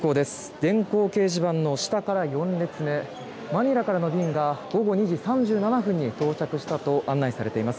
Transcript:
電光掲示板の下から４列目、マニラからの便が午後２時３７分に到着したと案内されています。